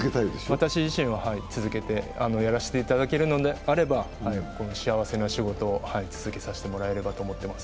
私自身は続けてやらせていただけるのであればこの幸せな仕事を続けさせていただければと思っています。